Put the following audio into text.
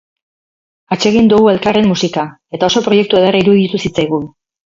Atsegin dugu elkarren musika, eta oso proiektu ederra iruditu zitzaigun.